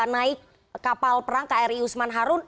naik kapal perang kri usman harun